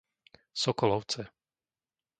Sokolovce